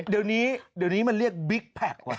เดี๋ยวนี้มันเรียกบิ๊กแพ็ก